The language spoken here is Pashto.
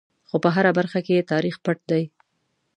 خو په هره برخه کې یې تاریخ پټ دی.